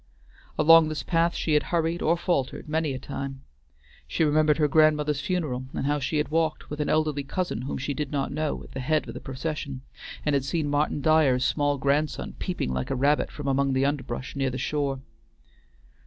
Along this path she had hurried or faltered many a time. She remembered her grandmother's funeral, and how she had walked, with an elderly cousin whom she did not know, at the head of the procession, and had seen Martin Dyer's small grandson peeping like a rabbit from among the underbrush near the shore.